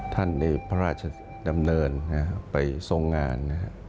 ท่านได้พระราชดำเนินไปทรงงาน